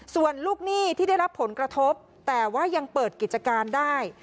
ส่วนลูกหนี้ที่ได้รับผลกระทบแต่ว่ายังเปิดกิจการได้